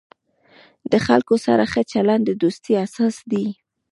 د خلکو سره ښه چلند، د دوستۍ اساس دی.